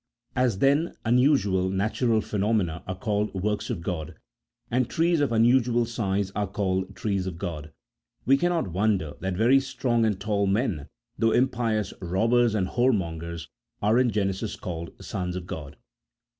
As, then, unusual natural phenomena are called works of God, and trees of unusual size are called trees of God, we cannot wonder that very strong and tall men, though impious robbers and whoremongers, are in Genesis called eons of God.